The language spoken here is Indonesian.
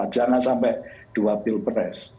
jangan sampai dua pilpres